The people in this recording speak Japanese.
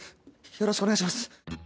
よろしくお願いします